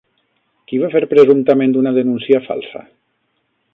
Qui va fer presumptament una denúncia falsa?